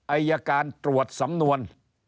อายการตรวจสำนวน